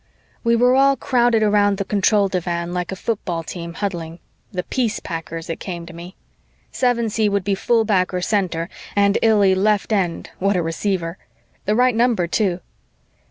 We were all crowded around the control divan like a football team huddling. The Peace Packers, it came to me. Sevensee would be fullback or center and Illy left end what a receiver! The right number, too.